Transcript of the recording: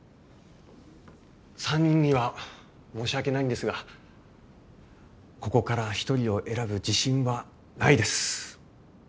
３人には申し訳ないんですがここから１人を選ぶ自信はないです。